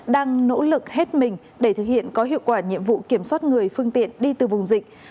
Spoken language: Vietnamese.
đang nỗ lực hết mình để thực hiện có hiệu quả nhiệm vụ kiểm soát người phương tiện đi từ vùng dịch